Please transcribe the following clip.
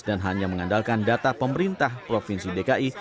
dan hanya mengandalkan data pemerintah provinsi dki